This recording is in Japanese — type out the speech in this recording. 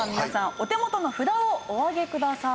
お手元の札をお上げください。